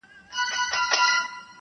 په اساس کي بس همدغه شراکت دئ-